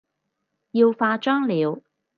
要化妝了